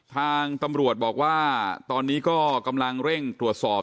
ทางตำรวจบอกว่าตอนนี้ก็กำลังเร่งตรวจสอบ